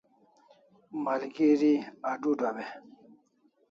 Malgeri adudaw e?